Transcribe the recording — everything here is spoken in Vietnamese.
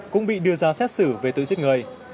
cũng bị đưa ra xét xử về tội giết người